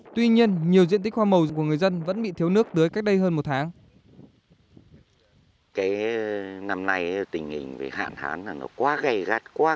tuy nhiên nhiều diện tích hoa màu của người dân vẫn bị thiếu nước tới cách đây hơn một tháng